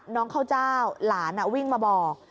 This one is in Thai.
น้องข้าวเจ้าหลานวิ่งมาบอก